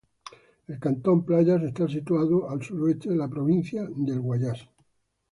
El cantón Playas está situado al suroeste de la provincia del Guayas.